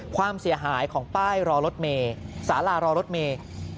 ความเสียหายของป้ายรอรถเมย์สารารอรถเมย์